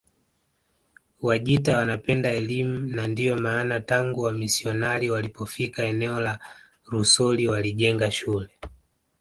Wajita wanapenda elimu na ndiyo maana tangu wamisionari walipofika eneo la Rusoli walijenga shule